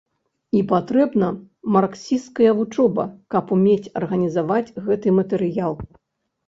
І патрэбна марксісцкая вучоба, каб умець арганізаваць гэты матэрыял.